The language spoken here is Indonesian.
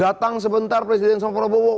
datang sebentar presiden soekarowo